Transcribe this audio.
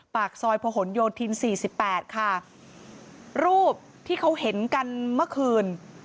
ปากซอยพย๔๘ค่ะรูปที่เขาเห็นกันเมื่อคืน